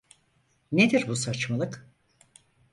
Nedir bu saçmalık?